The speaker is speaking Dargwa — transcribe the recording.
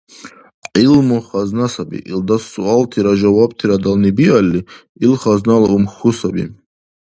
ГӀилму хазна саби, илдас суалтира жавабтира дални биалли, ил хазнала умхьу саби.